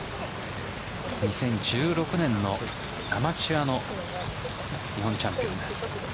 ２０１６年のアマチュアの日本チャンピオンです。